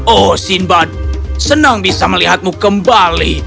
oh sinbad senang bisa melihatmu kembali